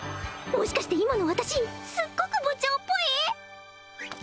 もしかして今の私すっごく部長っぽい！？